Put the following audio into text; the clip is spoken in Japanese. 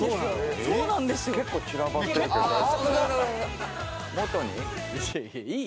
結構散らばってるけど大丈夫？